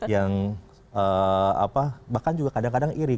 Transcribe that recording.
yang bahkan juga kadang kadang irit